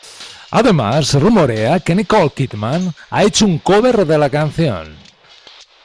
Además se rumorea que Nicole Kidman ha hecho un cover de la canción.